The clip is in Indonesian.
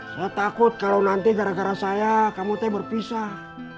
saya takut kalau nanti gara gara saya kamu teh berpisah